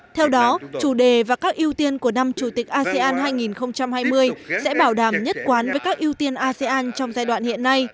theo đó chủ đề và các ưu tiên của năm chủ tịch asean hai nghìn hai mươi sẽ bảo đảm nhất quán với các ưu tiên asean trong giai đoạn hiện nay